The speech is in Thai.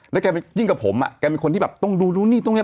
แล้วแกยิ่งกับผมแกเป็นคนที่แบบต้องดูนู่นนี่ตรงนี้